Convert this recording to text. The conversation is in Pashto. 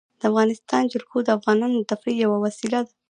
د افغانستان جلکو د افغانانو د تفریح یوه وسیله ده.